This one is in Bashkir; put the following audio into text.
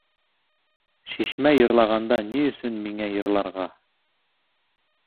Шишмә йырлағанда, ни өсөн миңә йырларға?!